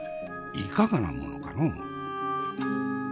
いかがなものかのう？